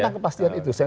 tentang kepastian itu